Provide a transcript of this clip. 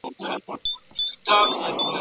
تعبیر مي کړی پر ښه شګون دی